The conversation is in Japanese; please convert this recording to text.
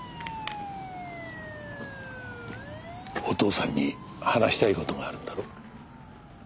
お父さんに話したい事があるんだろ？